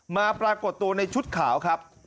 ปรากฏตัวในชุดขาวครับ